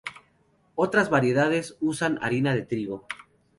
Otras variedades usan la harina de trigo.